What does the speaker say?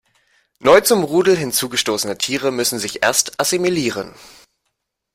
Neu zum Rudel hinzugestoßene Tiere müssen sich erst assimilieren.